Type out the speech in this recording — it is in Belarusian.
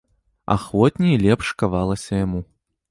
Ахвотней і лепш кавалася яму.